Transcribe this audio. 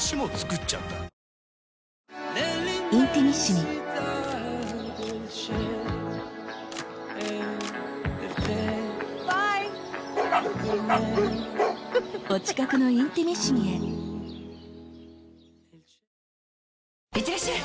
「ビオレ」いってらっしゃい！